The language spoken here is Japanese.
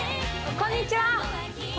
こんにちは！